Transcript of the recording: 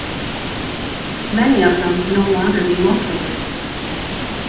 Many of them can no longer be located.